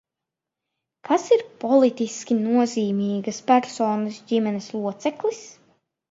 Kas ir politiski nozīmīgas personas ģimenes loceklis?